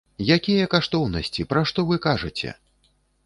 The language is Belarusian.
Якія каштоўнасці, пра што вы кажаце!